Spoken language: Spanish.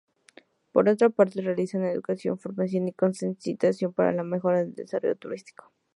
Por otra parte, realiza educación, formación y concientización para la mejora del desarrollo turístico.